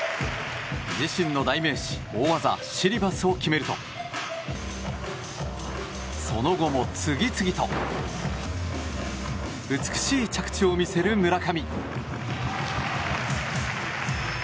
自身の代名詞大技シリバスを決めるとその後も次々と美しい着地を見せる村上。